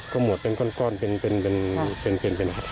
ข้มหมวดเป็นก้อนเป็นพระธาตุ